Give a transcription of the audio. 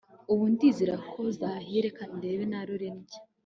ubu ndizera ko zahiye reka ndebe narure ndye